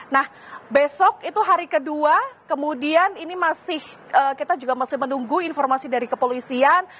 nah besok itu hari kedua kemudian ini masih kita juga masih menunggu informasi dari kepolisian